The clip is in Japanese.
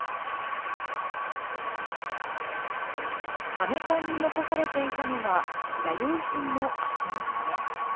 かめ棺に残されていたのは弥生人の脚の骨。